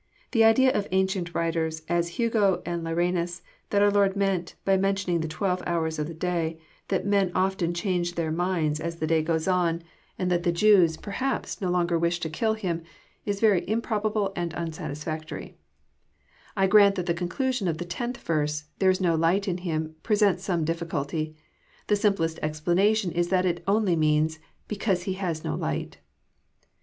The idea of ancient writers, as Hugo and Ly ranas, that our Lord meant, by mentioning the twelve hours of the day, that men often change their minds as the day goes on. 248 EXPOsrroRT thoughts. mad tbat the Jews, periiaps, no longer wished to kill Him, Is very improbftble and unsatisfiMstorf . I grant that the conclnslon of the tenth yerse, " there Is no light In him," presents some dlfficolty. The simplest explana tion Is, that It only means, becaose he has no light."